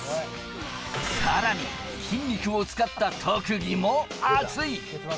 さらに筋肉を使った特技もアツい！